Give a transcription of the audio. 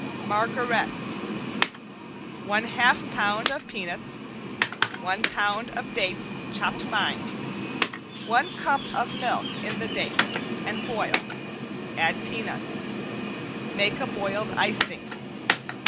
~MARGARETTES~ One half pound of peanuts, one pound of dates chopped fine. One cup of milk in the dates and boil, add peanuts. Make a boiled icing.